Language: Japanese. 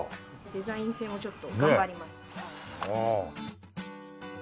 デザイン性もちょっと頑張りました。